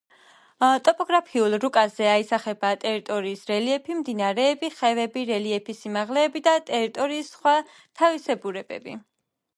ტოპოგრაფიულ რუკაზე აისახება ტერიტორიის რელიეფი, მდინარეები, ხევები, რელიეფის სიმაღლეები და ტერიტორიის სხვა თავისებურებები.